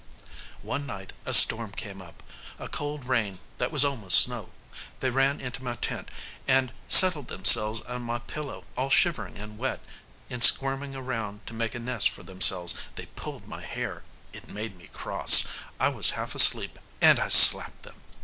"One night a storm came up a cold rain that was almost snow. They ran into my tent and settled themselves on my pillow all shivering and wet. In squirming around to make a nest for themselves they pulled my hair. It made me cross. I was half asleep and I slapped them.